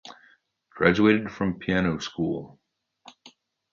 Graduated from piano school.